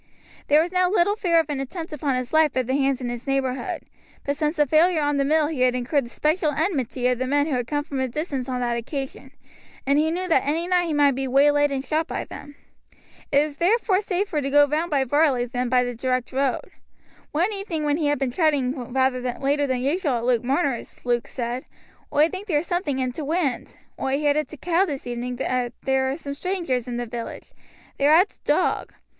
There was now little fear of an attempt upon his life by the hands in his neighborhood; but since the failure on the mill he had incurred the special enmity of the men who had come from a distance on that occasion, and he knew that any night he might be waylaid and shot by them. It was therefore safer to go round by Varley than by the direct road. One evening when he had been chatting rather later than usual at Luke Marner's, Luke said: "Oi think there's something i' t' wind. Oi heerd at t' Cow this evening that there are some straangers i' the village. They're at t' Dog.